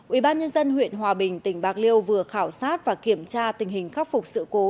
ubnd huyện hòa bình tỉnh bạc liêu vừa khảo sát và kiểm tra tình hình khắc phục sự cố